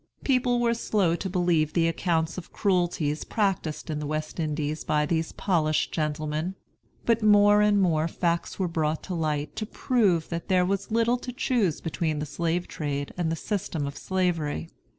People were slow to believe the accounts of cruelties practised in the West Indies by these polished gentlemen. But more and more facts were brought to light to prove that there was little to choose between the slave trade and the system of Slavery.